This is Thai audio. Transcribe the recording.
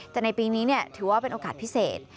แต่ในปีนี้ถือว่าเป็นโอกาสพิเศษ